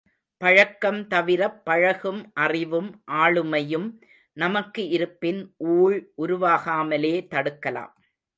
பழக்கம் தவிரப் பழகும் அறிவும் ஆளுமையும் நமக்கு இருப்பின் ஊழ்உருவாகாமலே தடுக்கலாம்.